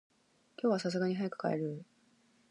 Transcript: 今日は流石に早く帰る。